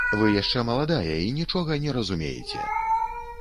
Вы яшчэ маладая і нічога не разумееце!